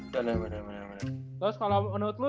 terus kalau menurut lu